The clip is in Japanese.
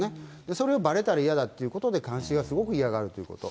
それをばれたら嫌だってことで監視をすごく嫌がるってこと。